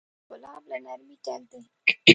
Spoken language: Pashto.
ګلاب له نرمۍ ډک دی.